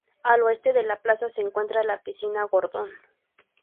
Al oeste de la plaza se encuentra la piscina Gordon.